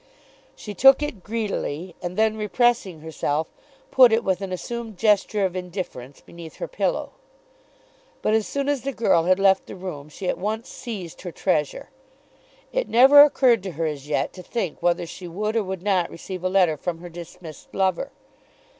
She took it greedily, and then repressing herself, put it with an assumed gesture of indifference beneath her pillow. But as soon as the girl had left the room she at once seized her treasure. It never occurred to her as yet to think whether she would or would not receive a letter from her dismissed lover.